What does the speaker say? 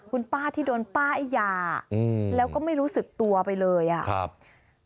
คุณป้าที่โดนป้าไอ้ยาอืมแล้วก็ไม่รู้สึกตัวไปเลยอ่ะครับ